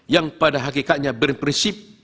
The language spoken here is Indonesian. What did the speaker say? yang pada hakikatnya berprinsip